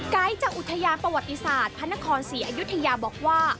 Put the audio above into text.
จากอุทยาประวัติศาสตร์พระนครศรีอยุธยาบอกว่า